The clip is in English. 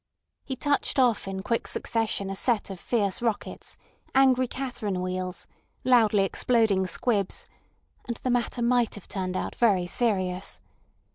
He touched off in quick succession a set of fierce rockets, angry catherine wheels, loudly exploding squibs—and the matter might have turned out very serious.